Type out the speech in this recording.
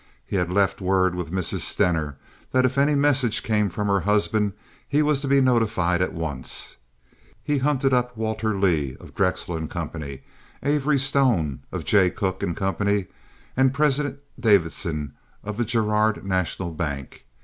He had left word with Mrs. Stener that if any message came from her husband he was to be notified at once. He hunted up Walter Leigh, of Drexel & Co., Avery Stone of Jay Cooke & Co., and President Davison of the Girard National Bank.